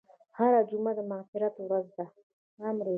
هره جمعه د مغفرت ورځ ده.